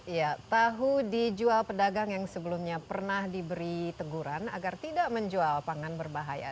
ya tahu dijual pedagang yang sebelumnya pernah diberi teguran agar tidak menjual pangan berbahaya